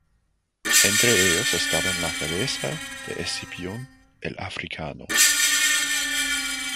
Entre ellos estaban la cabeza de Escipión el Africano.